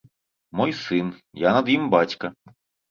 Мой сын, я над ім бацька.